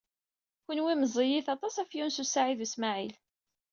Kenwi meẓẓiyit aṭas ɣef Yunes u Saɛid u Smaɛil.